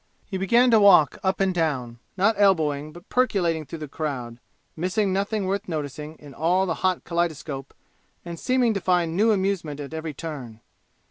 He began to walk up and down, not elbowing but percolating through the crowd, missing nothing worth noticing in all the hot kaleidoscope and seeming to find new amusement at every turn.